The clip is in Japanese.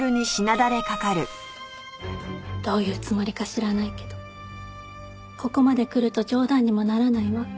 どういうつもりか知らないけどここまでくると冗談にもならないわ。